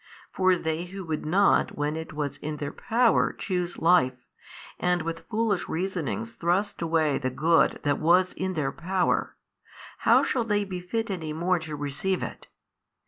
For they who would not when it was in their power choose Life, and with foolish reasonings thrust away the good that was in their power, how shall they be fit any more to receive it?